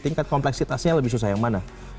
tingkat kompleksitasnya lebih susah yang mana